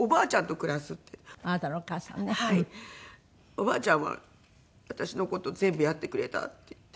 「おばあちゃんは私の事全部やってくれた」って言って。